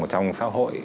trong xã hội